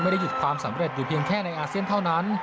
ได้หยุดความสำเร็จอยู่เพียงแค่ในอาเซียนเท่านั้น